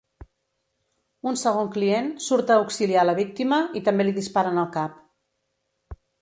Un segon client surt a auxiliar la víctima i també li disparen al cap.